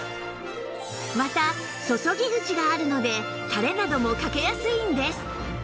また注ぎ口があるのでタレなどもかけやすいんです